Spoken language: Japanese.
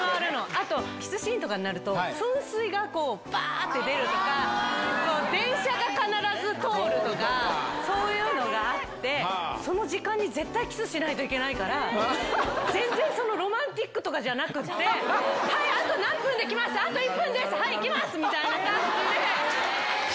あと、キスシーンとかになると、噴水がこう、ばーって出るとか、電車が必ず通るとか、そういうのがあって、その時間に絶対キスしないといけないから、全然その、ロマンティックとかじゃなくて、はい、あと何分で来ます、あと１分です、はい、いきますみたいな感じで。